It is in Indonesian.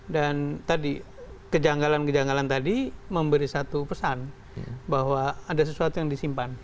dan tadi kejanggalan kejanggalan tadi memberi satu pesan bahwa ada sesuatu yang disimpan